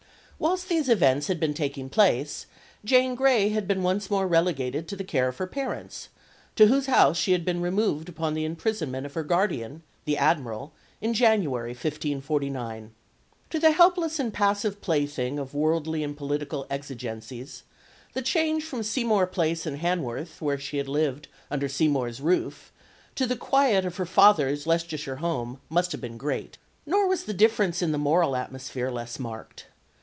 Whilst these events had been taking place Jane Grey had been once more relegated to the care of her parents, to whose house she had been removed upon the imprisonment of her guardian, the Admiral, in January, 1549. To the helpless and passive plaything of worldly and political exigencies, the change from Seymour Place and Hanworth, where she had lived under Seymour's roof, to the quiet of her father's Leicestershire home, must have been great. Nor was the difference in the moral atmosphere less marked.